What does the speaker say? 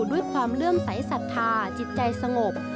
ด้วยความเลื่อมใสสัทธาจิตใจสงบ